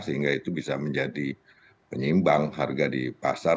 sehingga itu bisa menjadi penyimbang harga di pasar